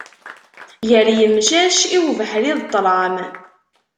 Gar yemcac, i ubeḥri d ṭlam.